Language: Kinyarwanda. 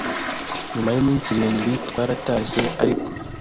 nyuma y’iminsi irindwi, twaratashye ariko